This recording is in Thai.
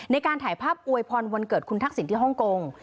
ในการถ่ายภาพอวยพรวันเกิดคุณทักษิณที่ฮ่องกง